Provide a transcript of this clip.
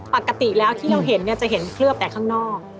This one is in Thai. ปกติแล้วที่เราเห็นเนี่ยจะเห็นเคลือบแต่ข้างนอก